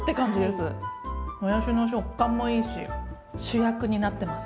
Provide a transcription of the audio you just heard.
もやしの食感もいいし主役になってます